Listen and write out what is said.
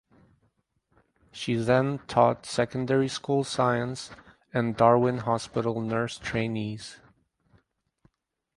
She then taught secondary school science and Darwin Hospital nurse trainees.